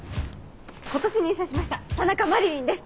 今年入社しました田中麻理鈴です。